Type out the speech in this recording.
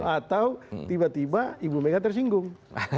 atau tiba tiba ibu mega tersinggung